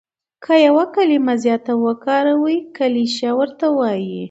که یو کلیمه زیاته وکاروې کلیشه ورته وايي.